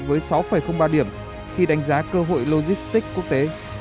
với sáu ba điểm khi đánh giá cơ hội logistics quốc tế